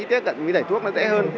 tiếp cận với giải thuốc nó dễ hơn